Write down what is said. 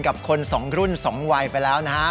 กับคน๒รุ่น๒วัยแล้วนะครับ